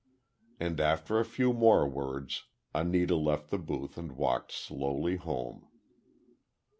And after a few more words Anita left the booth and walked slowly home.